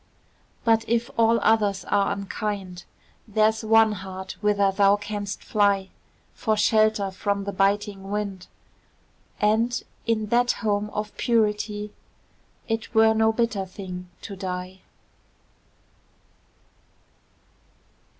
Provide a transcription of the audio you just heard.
But, if all others are unkind, There's one heart whither thou canst fly For shelter from the biting wind; And, in that home of purity, It were no bitter thing to die.